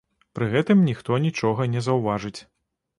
Пры гэтым ніхто нічога не заўважыць.